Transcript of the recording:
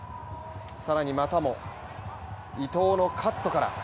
さらにまたも伊東のカットから。